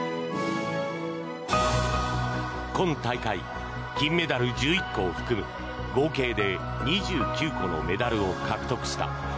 今大会、金メダル１１個を含む合計で２９個のメダルを獲得した。